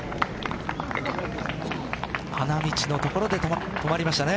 花道の所で止まりましたね。